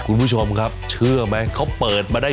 คุณผู้ชมครับเชื่อปะ